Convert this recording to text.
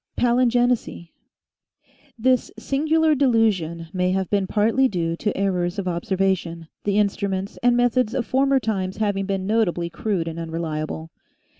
PALINGENESY HIS singular delusion may have been partly due to errors of observation, the instruments and methods of former times having been notably crude and unreliable.